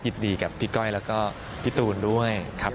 ยินดีกับพี่ก้อยแล้วก็พี่ตูนด้วยครับ